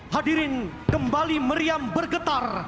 hadirin kembali meriam bergetar